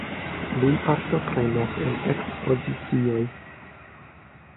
Li partoprenas en ekspozicioj.